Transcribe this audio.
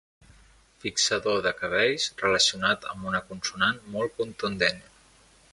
Fixador de cabells relacionat amb una consonant molt contundent.